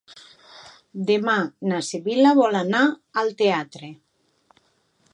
Demà na Sibil·la vol anar al teatre.